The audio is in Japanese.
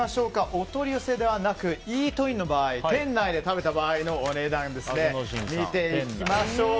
お取り寄せではなくイートインの場合店内で食べた場合のお値段を見ていきましょう。